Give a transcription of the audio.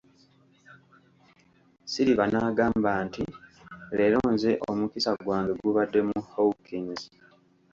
Silver n'agamba nti leero nze omukisa gwange gubadde mu Hawkins.